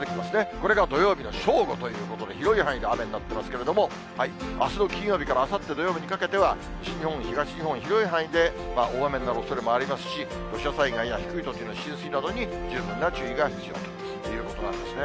これが土曜日の正午ということで、広い範囲で雨になっていますけれども、あすの金曜日からあさって土曜日にかけては、西日本、東日本、広い範囲で大雨になる可能性もありますし、土砂災害や低い土地の浸水などに十分注意が必要ということなんですね。